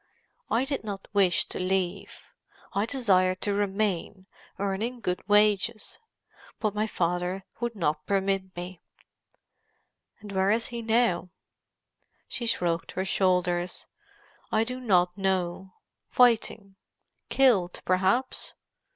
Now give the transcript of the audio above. I did not wish to leave. I desired to remain, earning good wages. But my father would not permit me." "And where is he now?" She shrugged her shoulders. "I do not know. Fighting: killed, perhaps.